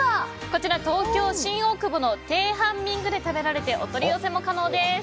こちら、東京・新大久保のテハンミングで食べられてお取り寄せも可能です。